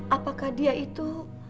apakah dia itu